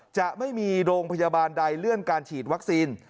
จะไม่มีโรงพยาบาลใดเลื่อนการฉีดวัคซีน